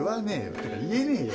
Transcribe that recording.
ってか言えねえよ